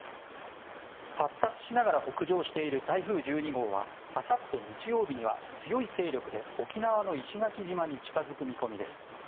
発達しながら北上している台風１２号はあさって日曜日には強い勢力で沖縄の石垣島に近づく見込みです。